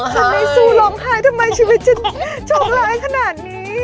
ทำไมสู้ร้องไห้ทำไมชีวิตฉันโชคร้ายขนาดนี้